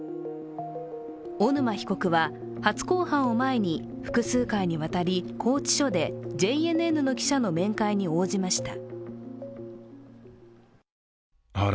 小沼被告は初公判を前に複数回にわたり拘置所でＪＮＮの記者の面会に応じました。